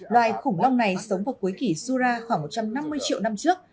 loài khủng long này sống vào cuối kỷ sura khoảng một trăm năm mươi triệu năm trước